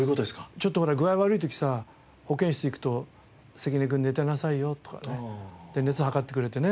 ちょっとほら具合悪い時さ保健室行くと「関根君寝てなさいよ」とかね熱を測ってくれてね